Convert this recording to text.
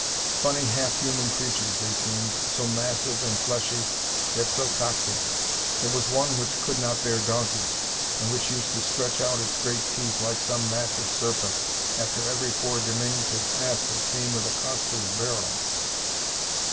Funny half human creatures they seemed, so massive and fleshy, yet so Cockney. There was one which could not bear donkeys, and which used to stretch out its great teeth like some massive serpent after every poor diminutive ass that came with a coster's barrow.